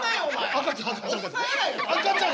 赤ちゃん。